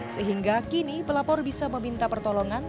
sehingga kini pelapor bisa meminta pertolongan